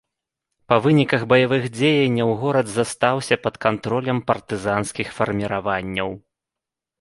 Па выніках баявых дзеянняў горад застаўся пад кантролем партызанскіх фарміраванняў.